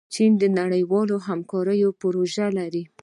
چین د نړیوالې همکارۍ پروژې لري.